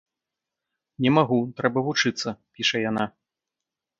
Не магу, трэба вучыцца, піша яна.